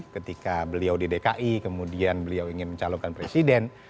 ketika beliau di dki kemudian beliau ingin mencalonkan presiden